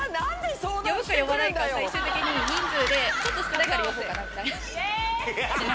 呼ぶか呼ばないか、最終的に人数で、ちょっと少ないから呼ぼうかなみたいな。